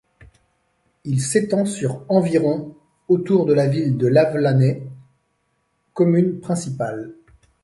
Il s'étend sur environ autour de la ville de Lavelanet, commune principale.